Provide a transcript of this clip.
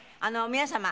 皆様